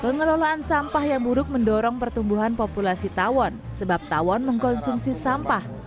pengelolaan sampah yang buruk mendorong pertumbuhan populasi tawon sebab tawon mengkonsumsi sampah